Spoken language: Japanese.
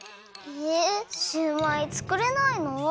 えシューマイつくれないの？